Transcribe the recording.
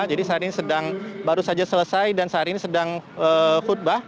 jadi saat ini baru saja selesai dan saat ini sedang khutbah